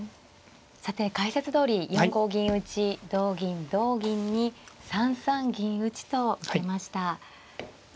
さて解説どおり４五銀打同銀同銀に３三銀打となりました。